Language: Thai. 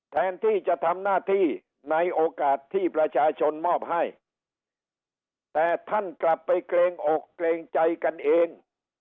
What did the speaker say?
แทนที่จะทำหน้าที่ในโอกาสที่ประชาชนมอบให้แต่ท่านกลับไปเกรงอกเกรงใจกันเอง